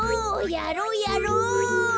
やろうやろう！